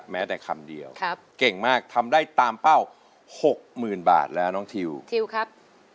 แม้แต่คำเดียวเก่งมากทำได้ตามเป้า๖๐๐๐บาทแล้วน้องทิวทิวครับ